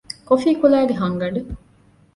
ކޮފީކުލައިގެ ހަންގަނޑެއް